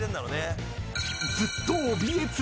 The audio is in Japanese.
［ずっと］